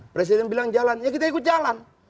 presiden bilang jalan ya kita ikut jalan